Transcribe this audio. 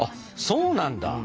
そうなんだ。